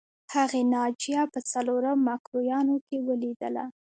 هغې ناجیه په څلورم مکروریانو کې ولیدله